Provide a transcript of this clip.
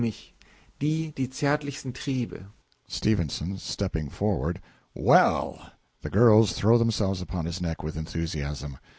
Die, die zartlichsten Triebe S. (Stepping forward.) Well! (The girls throw themselves upon his neck with enthusiasm.)